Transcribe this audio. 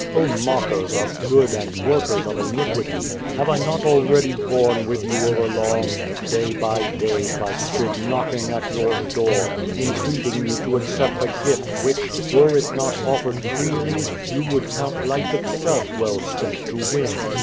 O mockers of good and workers of iniquity ! have I not already borne with you over long ? Day by day have I stood knocking at your door, entreating you to accept a gift which, were it not offered freely, you would count life itself well spent to win.